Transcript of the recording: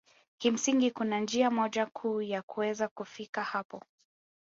Kimsingi kuna njia moja kuu ya kuweza kufika hapo